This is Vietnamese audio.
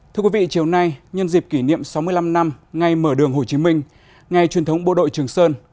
thưa quý vị chiều nay nhân dịp kỷ niệm sáu mươi năm năm ngày mở đường hồ chí minh ngày truyền thống bộ đội trường sơn